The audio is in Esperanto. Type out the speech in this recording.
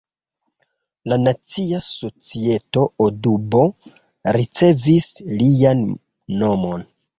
La Nacia Societo Audubon ricevis lian nomon.